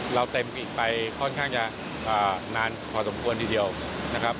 เราเต็มอิดไปค่อนข้างจะนานพอสมควรทีเดียวนะครับ